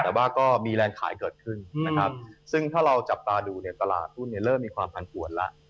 แต่ว่าก็มีแรงขายเกิดขึ้นนะครับซึ่งถ้าเราจับตาดูเนี่ยตลาดหุ้นเนี่ยเริ่มมีความผันปวนแล้ว